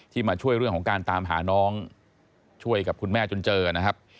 มาช่วยเรื่องของการตามหาน้องช่วยกับคุณแม่จนเจอนะครับ